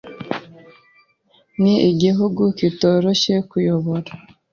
Ni igihugu kitoroshye kuyobora.